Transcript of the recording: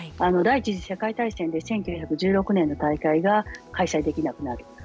第一次世界大戦で１９１６年の大会が開催できなくなる。